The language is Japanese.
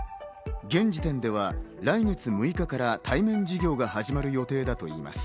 現時点では来月６日から対面授業が始まる予定だといいます。